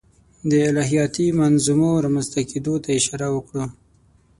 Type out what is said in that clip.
د الهیاتي منظومو رامنځته کېدو ته اشاره وکړو.